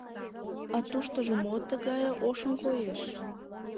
А туштыжо мо тыгае ошын коеш?